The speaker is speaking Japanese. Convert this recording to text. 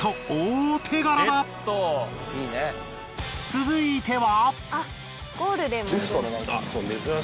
続いては。